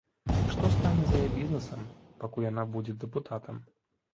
Што стане з яе бізнесам, пакуль яна будзе дэпутатам?